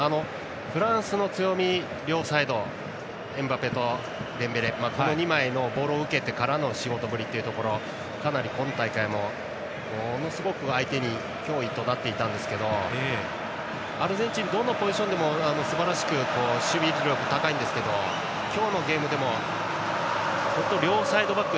フランスの強み、両サイドエムバペとデンベレこの２枚がボールを受けてからの仕事ぶりというところがかなり今大会もものすごく相手に脅威となっていたんですけどアルゼンチンはどのポジションでもすばらしく守備力が高いんですけど今日のゲームでも両サイドバック。